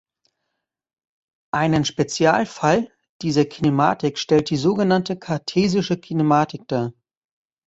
Einen Spezialfall dieser Kinematik stellt die so genannte "kartesische Kinematik" dar.